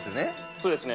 そうですね。